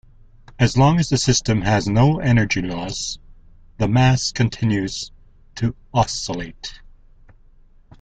As long as the system has no energy loss, the mass continues to oscillate.